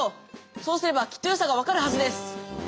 そうすればきっとよさが分かるはずです。